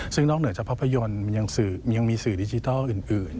ซึ่งนอกเหนือจากภาพยนตร์มันยังมีสื่อดิจิทัลอื่น